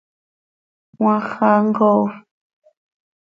Cmaax xaa mxoofp.